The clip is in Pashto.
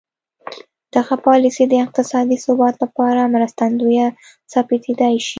دغه پالیسي د اقتصادي ثبات لپاره مرستندویه ثابتېدای شي.